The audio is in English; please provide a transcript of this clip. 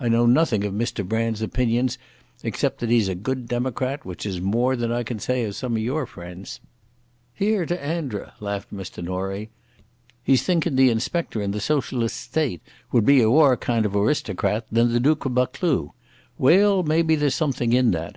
I know nothing of Mr Brand's opinions, except that he's a good democrat, which is more than I can say of some o' your friends." "Hear to Andra," laughed Mr Norie. "He's thinkin' the inspector in the Socialist State would be a waur kind of awristocrat then the Duke of Buccleuch. Weel, there's maybe something in that.